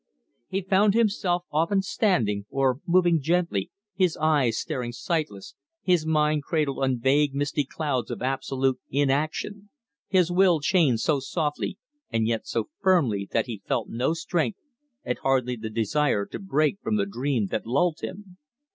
He found himself often standing, or moving gently, his eyes staring sightless, his mind cradled on vague misty clouds of absolute inaction, his will chained so softly and yet so firmly that he felt no strength and hardly the desire to break from the dream that lulled him.